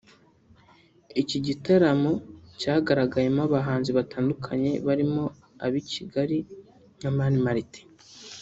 Iki gitaramo cyigaragayemo abahanzi batandukanye barimo ab’i Kigali nka Mani Martin